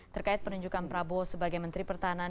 terkait penunjukan prabowo sebagai menteri pertahanan